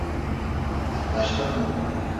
Yaklaştık mı?